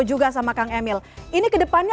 juga sama kang emil ini kedepannya